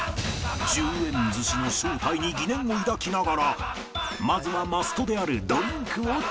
１０円寿司の正体に疑念を抱きながらまずはマストであるドリンクを注文。